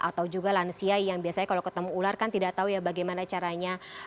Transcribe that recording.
atau juga lansia yang biasanya kalau ketemu ular kan tidak tahu ya bagaimana caranya